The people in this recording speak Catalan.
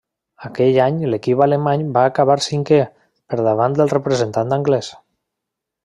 Aquell any l'equip alemany va acabar cinquè, per davant del representant anglès.